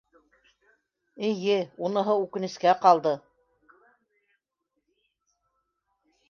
Эйе, уныһы үкенескә ҡалды...